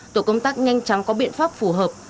tổ công tác nhanh chóng có biện pháp phù hợp